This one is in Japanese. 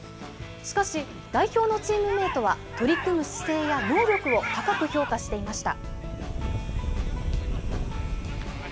しかし、代表のチームメートは、取り組む姿勢や能力を高く評価していました。